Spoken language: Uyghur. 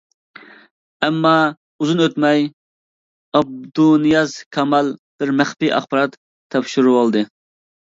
ئەمما ئۇزۇن ئۆتمەي، ئابدۇنىياز كامال بىر مەخپىي ئاخبارات تاپشۇرۇۋالدى.